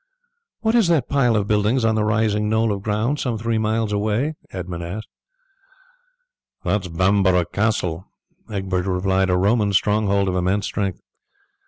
"What is that pile of buildings on the rising knoll of ground some three miles away?" Edmund asked. "It is Bamborough Castle," Egbert replied, "a Roman stronghold of immense strength."